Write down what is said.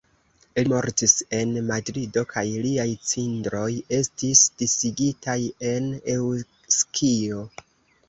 Li mortis en Madrido kaj liaj cindroj estis disigitaj en Eŭskio.